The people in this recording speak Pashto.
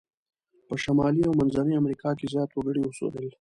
په شمالي او منځني امریکا کې زیات وګړي اوسیدل.